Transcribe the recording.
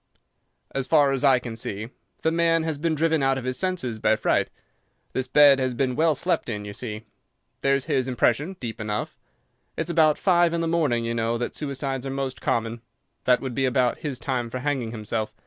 "As far as I can see, the man has been driven out of his senses by fright. The bed has been well slept in, you see. There's his impression deep enough. It's about five in the morning, you know, that suicides are most common. That would be about his time for hanging himself.